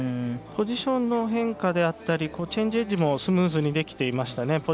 ポジションの変化だったりチェンジエッジもスムーズにできていましたね。